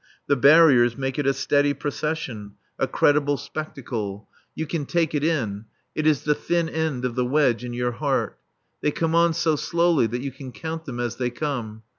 The barriers make it a steady procession, a credible spectacle. You can take it in. It is the thin end of the wedge in your heart. They come on so slowly that you can count them as they come.